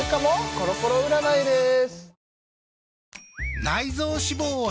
コロコロ占いです